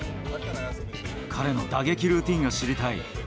彼の打撃ルーティンが知りたい。